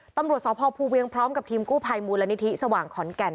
ตำรวจสพภูเวียงพร้อมกับทีมกู้ภัยมูลนิธิสว่างขอนแก่น